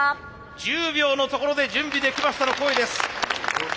１０秒のところで「準備できました」の声です。